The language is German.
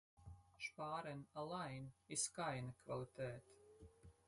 Sparen allein ist keine Qualität.